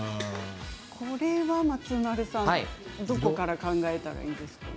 松丸さん、どこから考えたらいいですか。